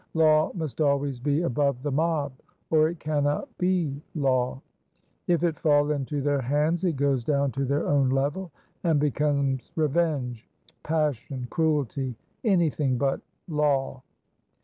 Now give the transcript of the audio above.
Law must always be above the mob, or it cannot be law. If it fall into their hands it goes down to their own level and becomes revenge, passion, cruelty, anything but law.